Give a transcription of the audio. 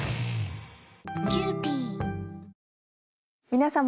皆様。